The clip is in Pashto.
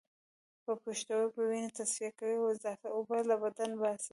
پښتورګي وینه تصفیه کوي او اضافی اوبه له بدن باسي